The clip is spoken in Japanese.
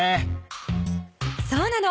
そうなの。